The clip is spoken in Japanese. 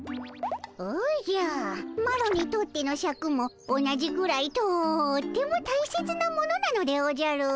おじゃあマロにとってのシャクも同じぐらいとっても大切なものなのでおじゃる。